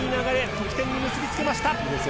得点に結び付けました。